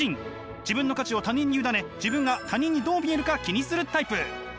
自分の価値を他人に委ね自分が他人にどう見えるか気にするタイプ。